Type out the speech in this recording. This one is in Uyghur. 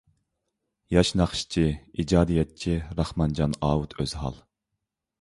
ياش ناخشىچى، ئىجادىيەتچى راخمانجان ئاۋۇت ئۆزھال.